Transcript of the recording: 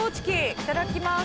いただきます。